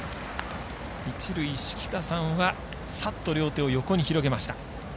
一塁、敷田さんはさっと両手を横に広げました。